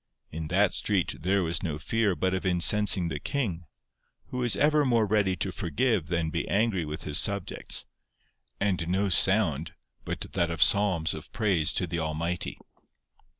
In that street there was no fear but of incensing the King, who was ever more ready to forgive than be angry with his subjects, and no sound but that of psalms of praise to the Almighty.